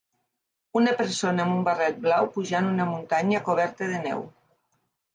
Una persona amb un barret blau pujant una muntanya coberta de neu.